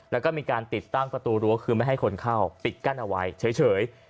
แล้วก็มีการติดตั้งประตูรั้วคือไม่ให้คนเข้าปิดกั้นเอาไว้เฉย